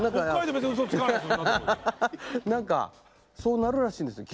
何かそうなるらしいんですよ